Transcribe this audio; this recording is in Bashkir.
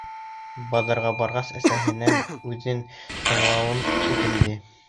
Баҙарға барғас, әсәһенән үҙен тыңлауын үтенде.